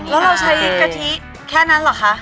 แล้วเราใช้กะทิแค่นั้นเหรอคะ